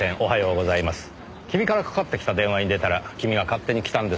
君からかかってきた電話に出たら君が勝手に来たんですよ。